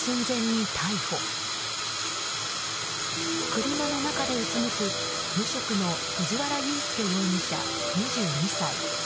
車の中でうつむく無職の藤原祐亮容疑者、２２歳。